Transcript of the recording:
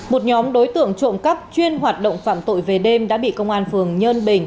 một nhóm đối tượng trộm cắp chuyên hoạt động phạm tội về đêm đã bị công an phường nhân bình